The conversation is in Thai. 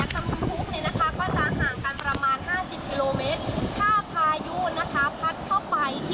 จังหวัดนครนะคะจะอยู่ทางขวามือของดิฉันนะคะประมาณ๒กิโลเมตรค่ะ